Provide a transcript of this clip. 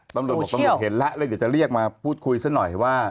ตำรวจเห็นแล้วเดี๋ยวจะเรียกมาพูดคุยซักหน่อยว่า